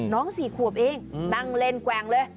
น้องสี่ขวบเองนั่งเล่นแกวงเลย